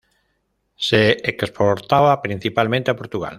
Se exportaba principalmente a Portugal.